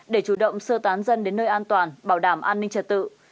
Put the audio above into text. để chủ động sơ tán dân đến nơi an toàn bảo đảm an ninh trật tự